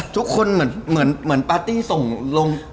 ทุกคนเหมือนปาร์ตี้ส่งลง